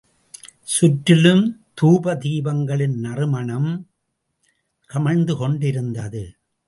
சுற்றிலும் தூப தீபங்களின் நறுமணம் கமழ்ந்துகொண்டிருந்தது.